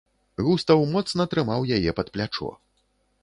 Густаў моцна трымаў яе пад плячо.